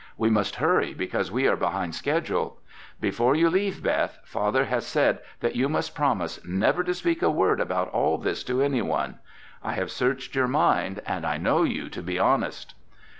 We must hurry because we are behind schedule. Before you leave, Beth, Father has said that you must promise never to speak a word about all this to anyone. I have searched your mind and I know you to be honest."